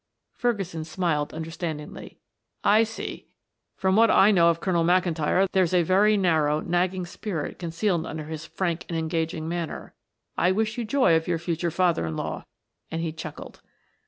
Ferguson smiled understandingly. "I see. From what I know of Colonel McIntyre there's a very narrow, nagging spirit concealed under his frank and engaging manner; I wish you joy of your future father in law," and he chuckled.